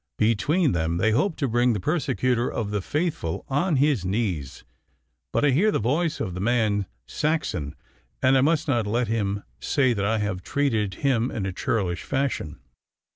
Between them they hope to bring the persecutor of the faithful on his knees. But I hear the voice of the man Saxon, and I must not let him say that I have treated him in a churlish fashion.